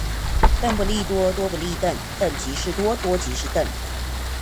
鄧不利多，多不利鄧。鄧即是多，多即是鄧